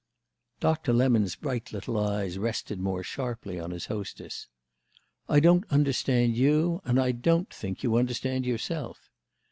Dr. Lemon's bright little eyes rested more sharply on his hostess. "I don't understand you and don't think you understand yourself."